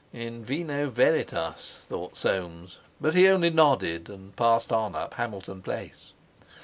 "In vino veritas," thought Soames, but he only nodded, and passed on up Hamilton Place.